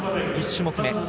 １種目め。